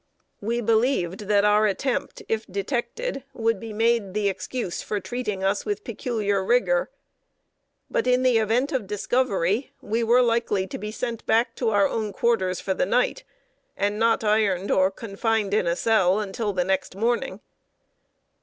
We believed that our attempt, if detected, would be made the excuse for treating us with peculiar rigor. But, in the event of discovery, we were likely to be sent back to our own quarters for the night, and not ironed or confined in a cell until the next morning.